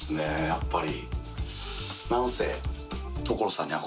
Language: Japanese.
やっぱり。